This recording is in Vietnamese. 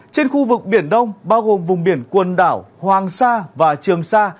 trên khu vực biển đông bao gồm vùng biển quần đảo hoàng sa và trường sa